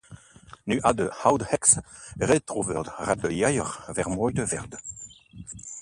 Nu had de oude heks getoverd dat de jager vermoeid werd.